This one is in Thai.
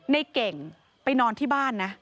ในเก่งไปนอนที่บ้านนะ